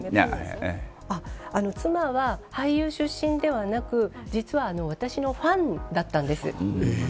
妻は俳優出身ではなく実は私のファンだったんです。